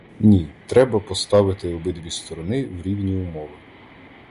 Ні, треба поставити обидві сторони в рівні умови.